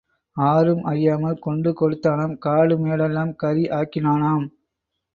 ஆரும் அறியாமல் கொண்டு கொடுத்தானாம் காடு மேடெல்லாம் கரி ஆக்கினானாம்.